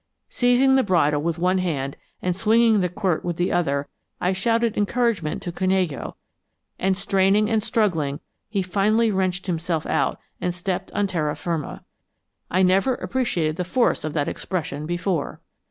Seizing the bridle with one hand and swinging the quirt with the other, I shouted encouragement to Canello, and, straining and struggling, he finally wrenched himself out and stepped on terra firma I never appreciated the force of that expression before!